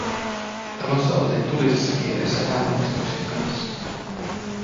Talossa oltiin tulisessa kiireessä häävalmistuksien kanssa.